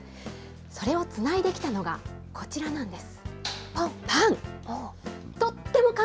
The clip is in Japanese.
それをつないできたのがこちらなんです。